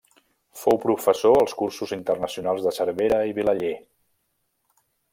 Fou professor als Cursos Internacionals de Cervera i Vilaller.